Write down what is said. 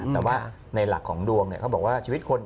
แต่ว่าในหลักของดวงเขาบอกว่าชีวิตคน